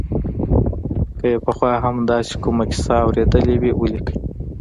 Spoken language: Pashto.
که یې پخوا هم داسې کومه کیسه اورېدلې وي ولیکي.